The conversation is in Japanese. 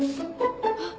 あっ！